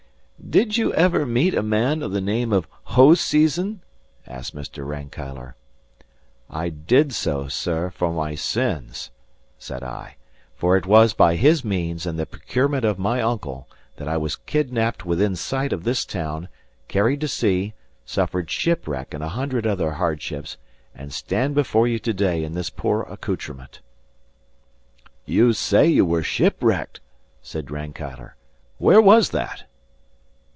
"Did you ever meet a man of the name of Hoseason?" asked Mr. Rankeillor. "I did so, sir, for my sins," said I; "for it was by his means and the procurement of my uncle, that I was kidnapped within sight of this town, carried to sea, suffered shipwreck and a hundred other hardships, and stand before you to day in this poor accoutrement." "You say you were shipwrecked," said Rankeillor; "where was that?"